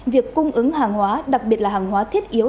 việc cung ứng hàng hóa đặc biệt là hàng hóa thiết yếu